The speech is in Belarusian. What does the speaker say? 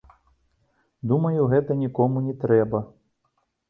Думаю, гэта нікому не трэба.